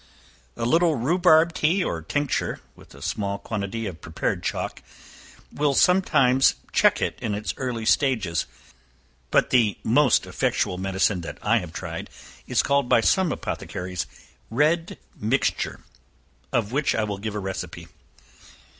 A little rhubarb tea or tincture, with a small quantity of prepared chalk, will sometimes check it in its early stages, but the most effectual medicine that I have tried is called by some apothecaries, "red mixture," of which I will give a recipe.